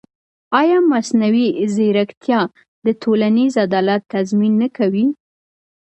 ایا مصنوعي ځیرکتیا د ټولنیز عدالت تضمین نه کوي؟